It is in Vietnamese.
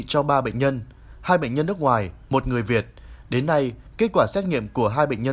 cho ba bệnh nhân hai bệnh nhân nước ngoài một người việt đến nay kết quả xét nghiệm của hai bệnh nhân